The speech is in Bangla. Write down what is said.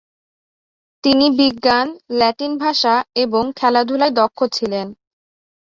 তিনি বিজ্ঞান, ল্যাটিন ভাষা এবং খেলাধুলায় দক্ষ ছিলেন।